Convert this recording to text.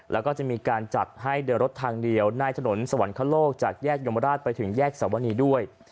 แล้วก็จะมีการจัดให้เดินรถทางเดียวในถนนสวรรคโลกจากแยกยมราชไปถึงแยกสวนีด้วย